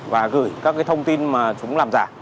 và gửi các thông tin mà chúng làm giả